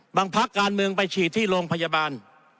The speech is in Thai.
บางภักดิ์การเมืองไปชีดที่โรงพยาบาล